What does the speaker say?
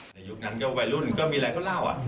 ในยุคนั้นเกี่ยวมันว่าว่ายรุ่นก็มีอะไรก็เล่าอ่ะ